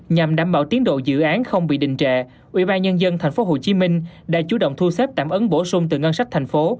nhằm đảm bảo tiến độ dự án không bị định trệ ubnd tp hcm đã chủ động thu xếp tạm ấn bổ sung từ ngân sách thành phố